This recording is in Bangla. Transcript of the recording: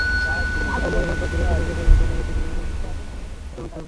প্রথমবারের মতো ঘুরে দেখে গেলেন রাখাইন রাজ্যে বিভিন্ন জনগোষ্ঠী অধ্যুষিত অঞ্চল।